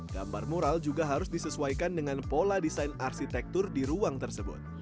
gambar mural juga harus disesuaikan dengan pola desain arsitektur di ruang tersebut